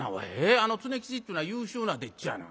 あの常吉っちゅうのは優秀な丁稚やな。